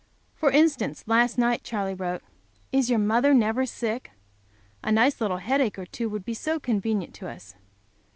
For instance, last night Charley wrote: "Is your mother never sick? A nice little headache or two would be so convenient to us!"